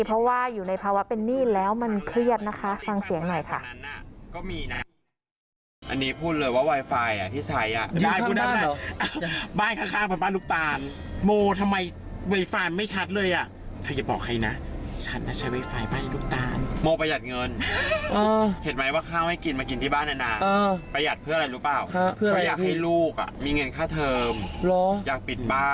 เพราะว่าอยู่ในภาวะเป็นหนี้แล้วมันเครียดนะคะฟังเสียงหน่อยค่ะ